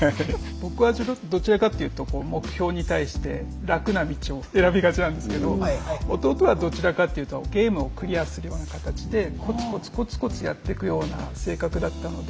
僕はどちらかっていうと目標に対して楽な道を選びがちなんですけど弟はどちらかっていうとゲームをクリアするような形でコツコツコツコツやってくような性格だったので。